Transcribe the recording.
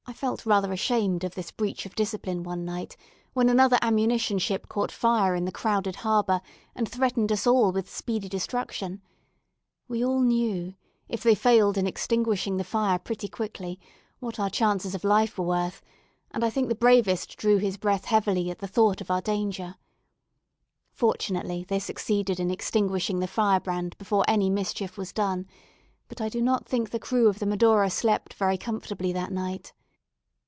I felt rather ashamed of this breach of discipline one night, when another ammunition ship caught fire in the crowded harbour, and threatened us all with speedy destruction. We all knew, if they failed in extinguishing the fire pretty quickly, what our chances of life were worth, and I think the bravest drew his breath heavily at the thought of our danger. Fortunately, they succeeded in extinguishing the firebrand before any mischief was done; but I do not think the crew of the "Medora" slept very comfortably that night.